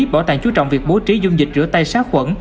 bảo tàng chú trọng việc bố trí dung dịch rửa tay sát khuẩn